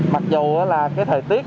mặc dù là cái thời tiết